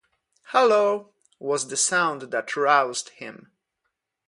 ‘Hallo!’ was the sound that roused him.